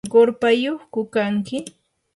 ¿qurpayyuqku kaykanki?